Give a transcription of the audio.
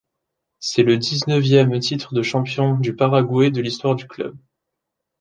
C'est le dix-neuvième titre de champion du Paraguay de l'histoire du club.